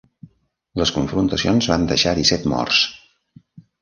Les confrontacions van deixar disset morts